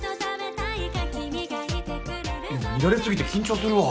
見られすぎて緊張するわ。